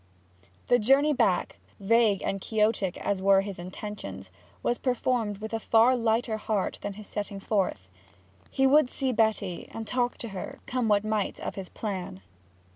The journey back, vague and Quixotic as were his intentions, was performed with a far lighter heart than his setting forth. He would see Betty, and talk to her, come what might of his plan.